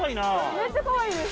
めっちゃかわいいです！